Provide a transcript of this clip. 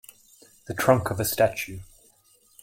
The trunk of a statue.